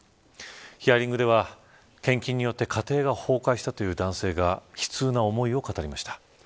ヒアリングでは献金によって家庭が崩壊したという男性が悲痛な思いを語りました。